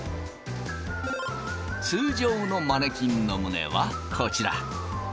通常のマネキンの胸はこちら。